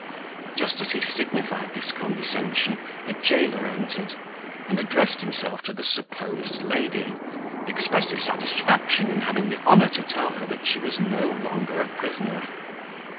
Just as he signified this condescension, the jailer entered, and addressing himself to the supposed lady, expressed his satisfaction in having the honour to tell her that she was no longer a prisoner.